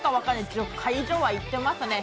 １０回以上は行ってますね。